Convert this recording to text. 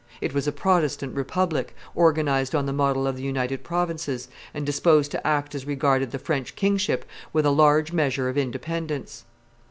It was a Protestant republic, organized on the model of the United Provinces, and disposed to act as regarded the French kingship with a large measure of independence.